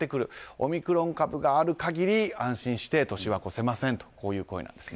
オミクロン株がある限り安心して年は越せませんという声です。